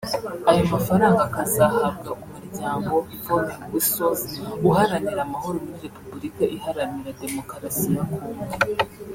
Ayo mafaranga akazahabwa Umuryango Falling Whistles uharanira amahoro muri Repuburika iharanira Demokarasi ya Congo